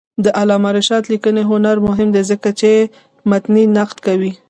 د علامه رشاد لیکنی هنر مهم دی ځکه چې متني نقد کوي.